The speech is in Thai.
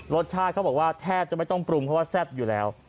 รสชาติเขาบอกว่าแทบจะไม่ต้องปรุงเพราะว่าแซ่บอยู่แล้ว